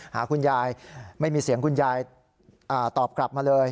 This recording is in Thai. หาคุณยายไม่มีเสียงคุณยายตอบกลับมาเลย